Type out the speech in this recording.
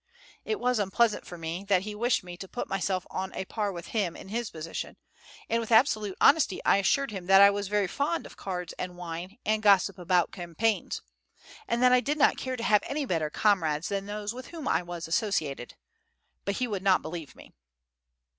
It was unpleasant for me, that he wished me to put myself on a par with him in his position; and, with absolute honesty, I assured him that I was very fond of cards and wine, and gossip about campaigns, and that I did not care to have any better comrades than those with whom I was associated. But he would not believe me.